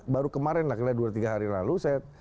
baru kemarin lah kira kira dua tiga hari lalu